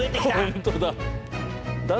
本当だ。